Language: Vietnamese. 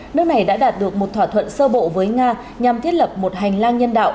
nước này đã đạt được một thỏa thuận sơ bộ với nga nhằm thiết lập một hành lang nhân đạo